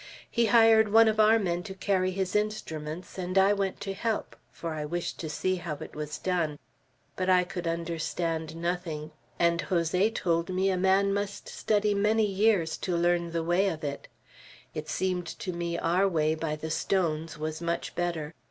He hired one of our men to carry his instruments, and I went to help, for I wished to see how it was done; but I could understand nothing, and Jose told me a man must study many years to learn the way of it. It seemed to me our way, by the stones, was much better.